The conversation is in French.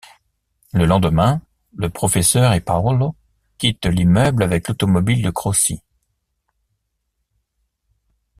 Le lendemain, le professeur et Paolo quittent l'immeuble avec l'automobile de Croci.